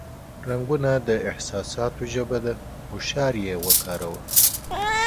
رنگونه د احساساتو ژبه ده، هوښیار یې وکاروه.